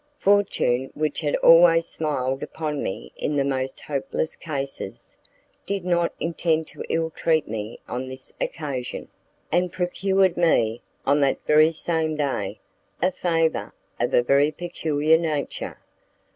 Fortune which had always smiled upon me in the most hopeless cases, did not intend to ill treat me on this occasion, and procured me, on that very same day, a favour of a very peculiar nature.